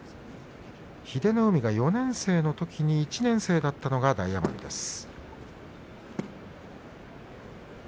英乃海が４年生のときに１年生だったのが大奄美です。